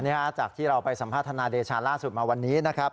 จากที่เราไปสัมภาษณาเดชาล่าสุดมาวันนี้นะครับ